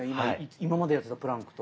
今までやってたプランクと。